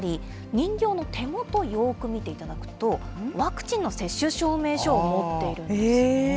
人形の手元、よーく見ていただくと、ワクチンの接種証明書を持っているんですよね。